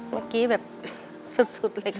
เมื่อกี้แบบสุดเลยค่ะ